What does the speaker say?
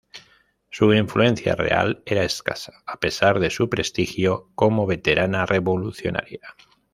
Su influencia real era escasa, a pesar de su prestigio como veterana revolucionaria.